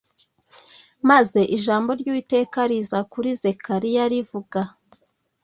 Maze ijambo ry uwiteka riza kuri zekariya rivuga